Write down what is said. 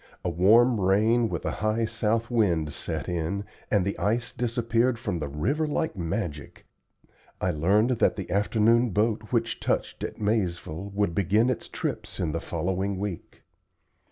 A warm rain with a high south wind set in, and the ice disappeared from the river like magic. I learned that the afternoon boat which touched at Maizeville would begin its trips in the following week.